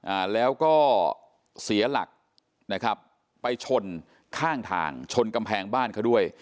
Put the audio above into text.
อ่าแล้วก็เสียหลักนะครับไปชนข้างทางชนกำแพงบ้านเขาด้วย